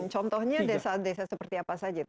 contohnya desa desa seperti apa saja